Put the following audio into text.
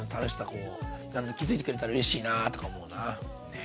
こう気付いてくれたらうれしいなとか思うな。ね